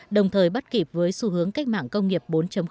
đồng thời bắt kịp với xu hướng cách mạng công nghiệp bốn